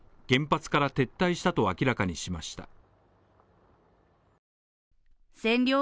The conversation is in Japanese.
原発から撤退したと明らかにしました。